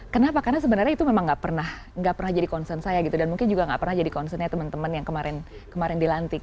kenapa karena sebenarnya itu memang gak pernah jadi concern saya gitu dan mungkin juga gak pernah jadi concernnya teman teman yang kemarin dilantik